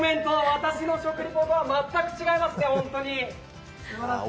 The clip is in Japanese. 私の食リポとは全く違いますね。